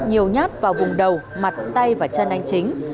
nhiều nhát vào vùng đầu mặt tay và chân anh chính